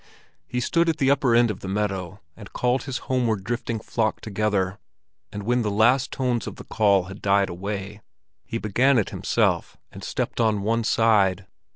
He stood at the upper end of the meadow, and called his homeward drifting flock together; and when the last tones of the call had died away, he began it himself, and stepped on one side.